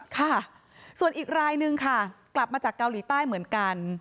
ค่ะส่วนอีกรายนึงค่ะกลับมาจากเกาหลีใต้เหมือนกัน